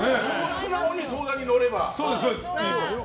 素直に相談に乗ればいい。